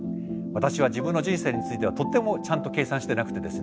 私は自分の人生についてはとてもちゃんと計算してなくてですね